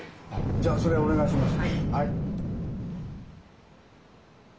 じゃあそれをお願いします。